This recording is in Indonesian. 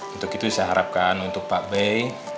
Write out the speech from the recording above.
untuk itu saya harapkan untuk pak bey